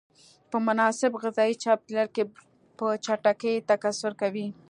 په مناسب غذایي چاپیریال کې په چټکۍ تکثر کوي.